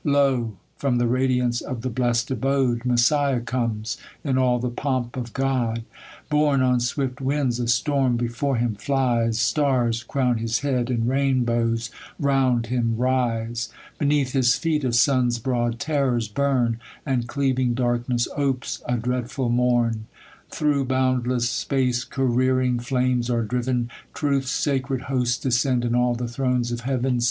Lo, from the radiance of the blest abode Messiah comes, in all the pomp of God ! Borne on swift winds, a storm before him flies ;^ Stars crown his head, and rainbows round him rise ; Beneath his feet a sun's broad terrors burn, And cleaving darkness opes a dreadful morn : Through boundless space careering flames are driven ; Truth's sacred hosts descend, and all the thrones of heaven.